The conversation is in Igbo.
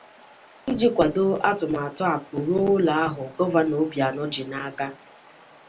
iji kwàdo atụmatụ 'Akụ Ruo Ụlọ' ahụ Gọvanọ Obianọ ji n'aka.